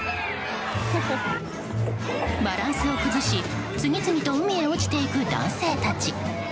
バランスを崩し次々と海に落ちていく男性たち。